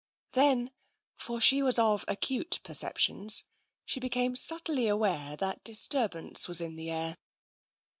Then, for she was of acute perceptions, she became subtly aware that disturbance was in the air.